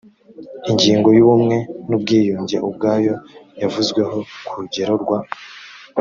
ingingo y ubumwe n ubwiyunge ubwayo yavuzweho ku rugero rwa